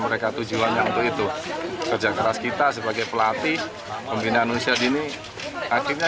mereka tujuannya untuk itu kerja keras kita sebagai pelatih pembinaan usia dini akhirnya